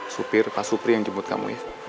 supir pak supri yang jemput kamu ya